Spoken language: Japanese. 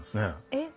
えっ？